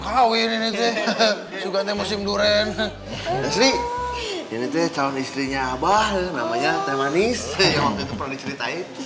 kawin ini juga musim duren sih ini teh calon istrinya abah namanya teh manis